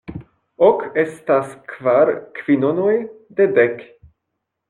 Ok estas kvar kvinonoj de dek.